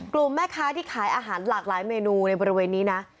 กลุ่มแม่ค้าที่ขายอาหารหลากหลายเมนูในบริเวณนี้นะ